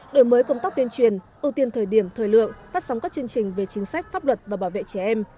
đổi mới công tác tuyên truyền ưu tiên thời điểm thời lượng phát sóng các chương trình về chính sách pháp luật và bảo vệ trẻ em